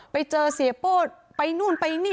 ไปเจอเสียโป้ไปโน่นไปหนิ